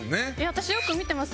私よく見てます！